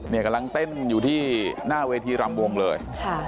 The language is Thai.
กำลังเต้นอยู่ที่หน้าเวทีรำวงเลย